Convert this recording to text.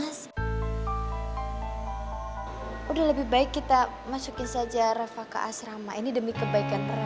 mas aku udah gak tau lagi harus kayak gimana kayaknya aku udah gak bisa jagain revah dengan pergaulan yang sekarang tuh udah semakin lama semakin parah mas